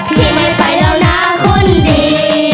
พี่ไม่ไปแล้วนะคนดี